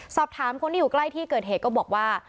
สอบถามคนที่อยู่ใกล้ที่เกิดเหตุก็บอกว่า